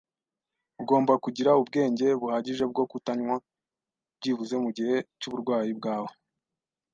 Ugomba kugira ubwenge buhagije bwo kutanywa, byibuze mugihe cy'uburwayi bwawe.